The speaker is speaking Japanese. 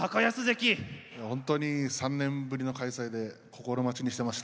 ほんとに３年ぶりの開催で心待ちにしてました。